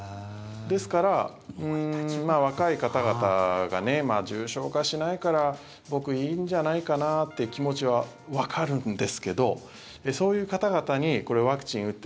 ですから、若い方々が重症化しないから僕、いいんじゃないかなという気持ちはわかるんですけどそういう方々にワクチンを打って